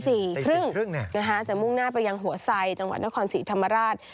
ตี๑๐๓๐นะฮะจากมุ่งหน้าไปยังหัวไส่จังหวัดนครศรีธรรมราช